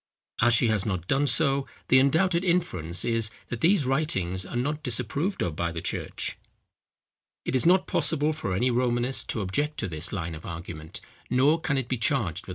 As she has not done so, the undoubted inference is, that these writings are not disapproved of by the church. It is not possible for any Romanist to object to this line of argument; nor can it be charged with unfairness.